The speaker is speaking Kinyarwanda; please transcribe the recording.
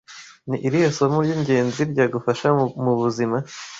Ni irihe somo ry’ingenzi ryagufasha mu buzima